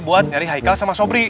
buat dari haikal sama sobri